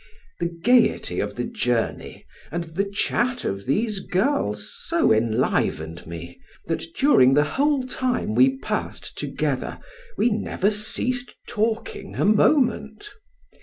The gayety of the journey, and the chat of these girls, so enlivened me, that during the whole time we passed together we never ceased talking a moment.